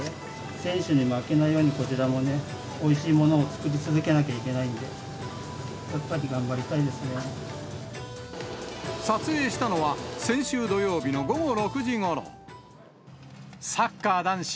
選手に負けないように、こちらもね、おいしいものを作り続けなきゃいけないんで、撮影したのは、先週土曜日の午後６時ごろ。